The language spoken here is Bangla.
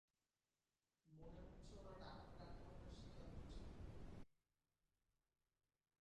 মনে হচ্ছে ওরা ডাকাতের আক্রমণের শিকার হচ্ছে।